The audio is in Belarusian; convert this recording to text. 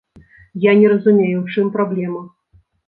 Я не разумею, у чым праблема?